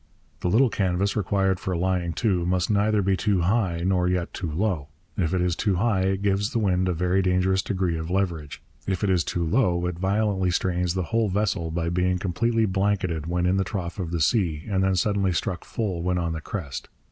The little canvas required for lying to must neither be too high nor yet too low. If it is too high, it gives the wind a very dangerous degree of leverage. If it is too low, it violently strains the whole vessel by being completely blanketed when in the trough of the sea and then suddenly struck full when on the crest.